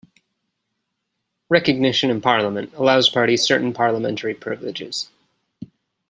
Recognition in Parliament allows parties certain parliamentary privileges.